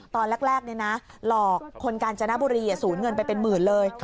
ตอนแรกหลอกคนกาญจนบุรีสูญเงินไปเป็นหมื่นเลย